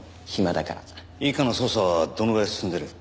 一課の捜査はどのぐらい進んでる？